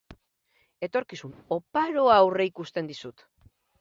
Etorkizun oparoa aurreikusten dizut.